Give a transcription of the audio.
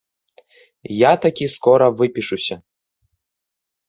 Я такі скора выпішуся.